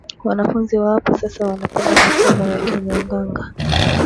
Wanafunzi wa apa sasa wana penda masomo ya ki munganga